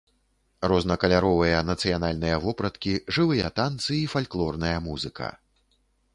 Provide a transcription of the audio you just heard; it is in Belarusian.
Рознакаляровыя нацыянальныя вопраткі, жывыя танцы і фальклорная музыка.